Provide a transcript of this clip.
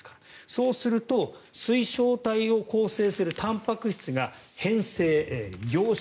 そうすると水晶体を構成するたんぱく質が変性・凝集。